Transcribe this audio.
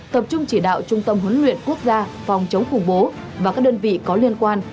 tập trung chỉ đạo trung tâm huấn luyện quốc gia phòng chống khủng bố và các đơn vị có liên quan